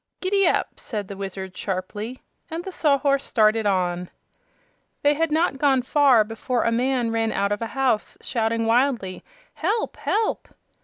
"Gid dap!" said the Wizard sharply, and the Sawhorse started on. They had not gone far before a man ran out of a house shouting wildly, "Help! Help!"